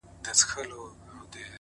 د ايشارو په ايشاره كي ژوندون.!